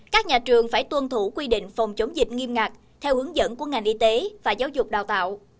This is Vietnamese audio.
các nhà trường phải tuân thủ quy định phòng chống dịch nghiêm ngặt theo hướng dẫn của ngành y tế và giáo dục đào tạo